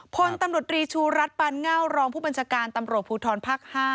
พลตำรวจรีชูรัฐปานเง่ารองผู้บัญชาการตำรวจภูทรภาค๕